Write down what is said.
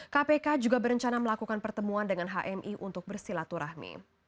kpk juga berencana melakukan pertemuan dengan hmi untuk bersilaturahmi